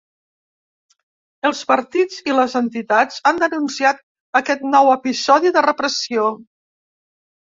Els partits i les entitats han denunciat aquest nou episodi de repressió.